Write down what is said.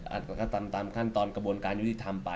อ่ะมันก็ตามขั้นตอนกระบวนการยุทธิธรรมไป